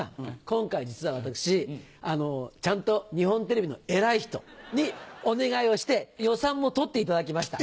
今回実は私ちゃんと日本テレビの偉い人にお願いをして予算も取っていただきました。